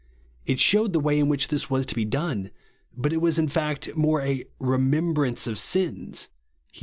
It shewed the way in which this was to be done, but it was in fact more a " remembrance of sins " (Heb.